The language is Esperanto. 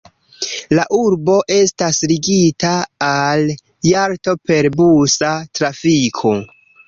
La urbo estas ligita al Jalto per busa trafiko.